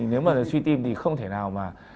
nếu mà suy tim thì không thể nào mà